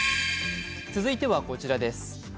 続いてはこちらです。